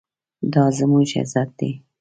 دا زموږ عزت دی؟